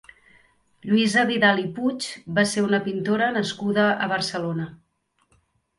Lluïsa Vidal i Puig va ser una pintora nascuda a Barcelona.